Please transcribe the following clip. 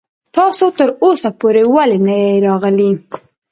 تاسو تر اوسه پورې ولې نه يې راغلی.